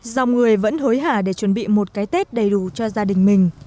dòng người vẫn hối hả để chuẩn bị một cái tết đầy đủ cho gia đình mình